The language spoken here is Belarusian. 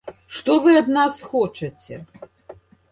Што вы ад нас хочаце?